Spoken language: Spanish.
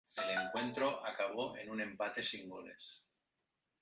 El encuentro acabó en un empate sin goles.